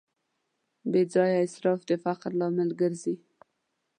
بېځایه اسراف د فقر لامل ګرځي.